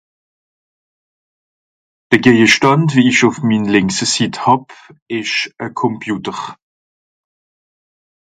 De Gejestànd, wie ìch uf min lìnkse Sitt hàb, ìsch e Computer.